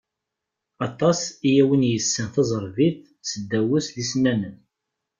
Aṭas i awen-yessan taẓerbit, seddaw-as d isennanen.